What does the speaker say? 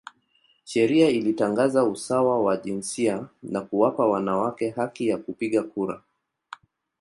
Sheria ilitangaza usawa wa jinsia na kuwapa wanawake haki ya kupiga kura.